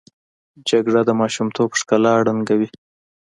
جګړه د ماشومتوب ښکلا ړنګوي